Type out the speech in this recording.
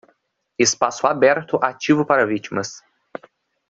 Espaço aberto ativo para vítimas